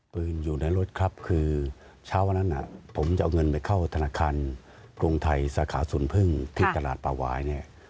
อยู่ในรถครับคือเช้าวันนั้นผมจะเอาเงินไปเข้าธนาคารกรุงไทยสาขาศูนย์พึ่งที่ตลาดป่าวายเนี่ย